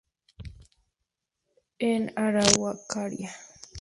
En: Araucaria.